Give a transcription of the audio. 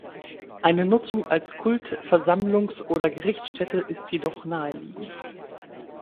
Eine Nutzung als Kult-, Versammlungs- oder Gerichtsstätte ist jedoch naheliegend.